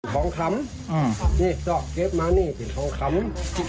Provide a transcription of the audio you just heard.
ทองคำนี่เจ้าเก็บมานี่เป็นทองคำนี่